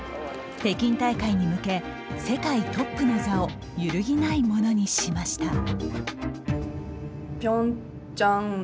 北京大会に向け世界トップの座を揺るぎないものにしました。